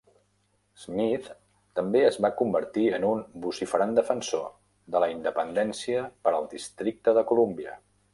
Smith també es va convertir en un vociferant defensor de la 'independència per al Districte de Columbia.